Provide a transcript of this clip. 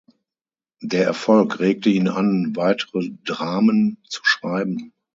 Der Erfolg regte ihn an, weitere Dramen zu schreiben.